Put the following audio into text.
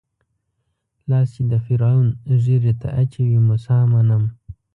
لاس چې د فرعون ږيرې ته اچوي موسی منم.